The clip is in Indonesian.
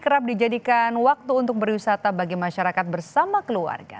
kerap dijadikan waktu untuk berwisata bagi masyarakat bersama keluarga